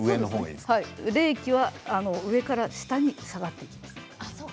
冷気は上から下に下がっていきます。